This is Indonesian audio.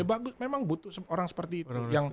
bagus memang butuh orang seperti itu